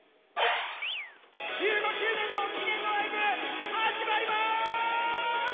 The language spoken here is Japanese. １５周年の記念のライブ、始まります。